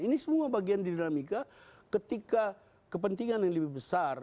ini semua bagian dinamika ketika kepentingan yang lebih besar